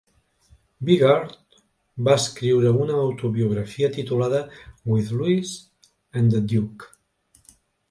Bigard va escriure una autobiografia titulada "With Louis and The Duke".